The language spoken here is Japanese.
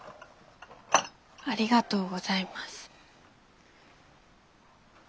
ありがとうございます。